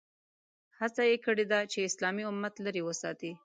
هڅه یې کړې ده چې اسلامي امت لرې وساتي.